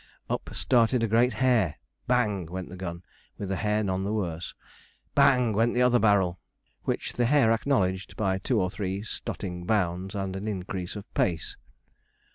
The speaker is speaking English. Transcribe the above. Up started a great hare; bang! went the gun, with the hare none the worse. Bang! went the other barrel, which the hare acknowledged by two or three stotting bounds and an increase of pace.